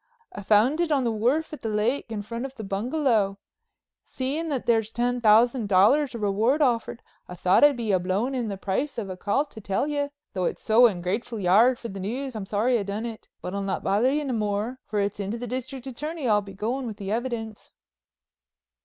I found it on the wharf at the lake, in front of the bungalow. Seeing that there's ten thousand dollars reward offered, I thought I'd be a blowin' in the price of a call to tell you, though it's so ungrateful ye are for the news I'm sorry I done it. But I'll not bother you no more, for it's in to the District Attorney I'll be goin' with the evidence."